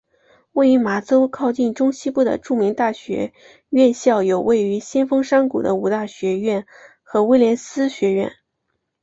位于麻州靠近中西部的著名大学院校有位于先锋山谷的五大学院和威廉斯学院。